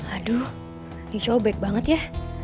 aduh dicobbek banget ya